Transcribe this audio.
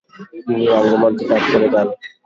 তিনি রঙ্গমঞ্চ ত্যাগ করে যান।